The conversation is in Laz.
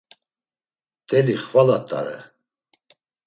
Mteli xvala t̆are.